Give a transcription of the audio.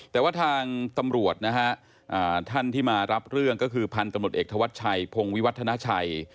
แต่ว่าทางตำรวจนะฮะท่านที่มารับเรื่องก็คือพันธุ์ตำรวจเอกธวัชชัยพงวิวัฒนาชัย